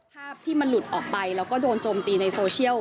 ภาพที่มันหลุดออกไปแล้วก็โดนโจมตีในโซเชียล